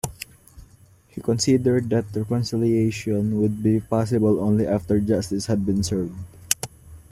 He considered that reconciliation would be possible only after justice had been served.